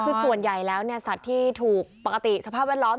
คือส่วนใหญ่แล้วสัตว์ที่ถูกปกติสภาพแวดล้อม